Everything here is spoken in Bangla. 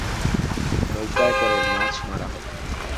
নৌকায় করে মাছ মারা হবে।